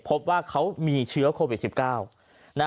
พบว่าเขามีเชื้อโควิด๑๙